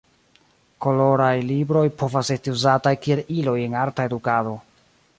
Koloraj libroj povas esti uzataj kiel iloj en arta edukado.